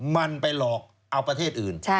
มันไปหลอกเอาประเทศอื่น